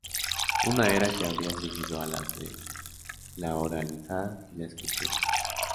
Una era que habría seguido a las de la oralidad y la escritura.